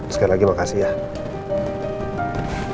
sekali lagi makasih ya